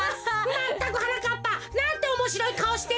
まったくはなかっぱなんておもしろいかおしてんだ！